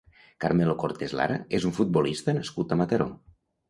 Carmelo Cortés Lara és un futbolista nascut a Mataró.